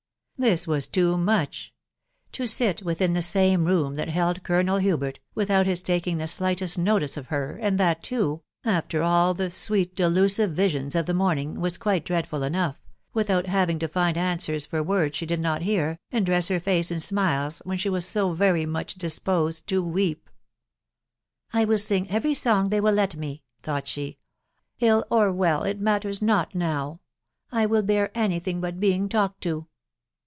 This was too much To sit within the same room that held Colonel Hubert, without his taking the slightest notice of her, and that, too, after all the sweet delusive visions of the morning, was quite dreadful enough, without having to find answers for words she did not hear, and dress her face in smiles, when she was so very much disposed to weep. " I will sing every song they will let me/' thought she. t€ HI or well, it matters not now. ... I will bear any thing hat being talked to!"